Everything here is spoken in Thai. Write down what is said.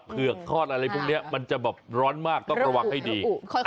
เผือกทอดอะไรพวกนี้มันจะแบบร้อนมากต้องระวังให้ดี